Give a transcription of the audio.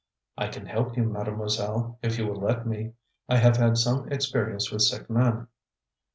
"I can help you, Mademoiselle, if you will let me. I have had some experience with sick men."